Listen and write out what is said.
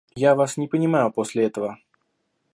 Я вас не понимаю после этого.